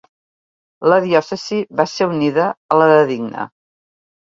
La diòcesi va ser unida a la de Digne.